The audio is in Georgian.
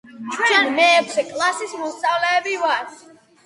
ჩვენ მეექვსე კლასის მოსწავლეები ვართ